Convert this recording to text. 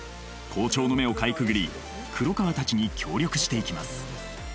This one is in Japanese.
校長の目をかいくぐり黒川たちに協力していきます